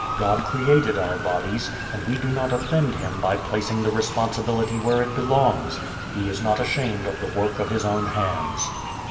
God created our bodies, and we do not offend Him by placing the responsibility where it belongs. He is not ashamed of the work of His own hands.